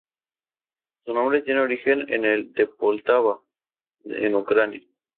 Su nombre tiene origen en el de Poltava, en Ucrania.